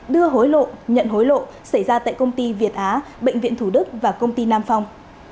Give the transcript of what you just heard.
đưa hối lộ nhận hối lộ xảy ra tại công ty việt á bệnh viện thủ đức và công ty nam phong